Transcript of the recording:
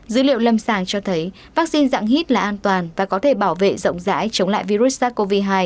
dữ liệu lâm sàng cho thấy vaccine dạng hít là an toàn và có thể bảo vệ rộng rãi chống lại virus sars cov hai